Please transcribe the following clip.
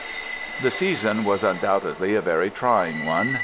The season was undoubtedly a very trying one.